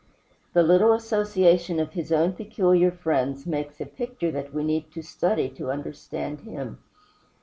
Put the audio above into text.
The little association of his own peculiar friends makes a picture that we need to study to understand him.